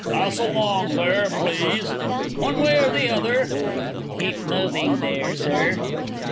Pass along there, please, one way or the other keep moving there, Sir.